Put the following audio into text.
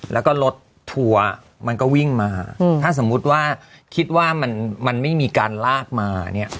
แล้วก็รถทัวร์มันก็วิ่งมาถ้าสมมุติว่าคิดว่ามันไม่มีการลากมาเนี่ย